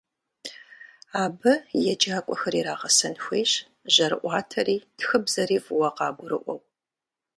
Абы еджакӏуэхэр иригъэсэн хуейщ жьэрыӏуатэри тхыбзэри фӏыуэ къагурыӏуэу.